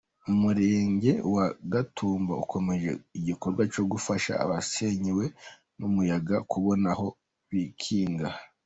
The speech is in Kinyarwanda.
Umurenge wa Gatumba ukomeje igikorwa cyo gufasha abasenyewe n’umuyaga kubona aho biking.